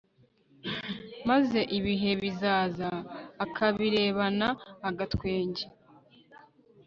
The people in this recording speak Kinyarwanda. maze ibihe bizaza akabirebana agatwenge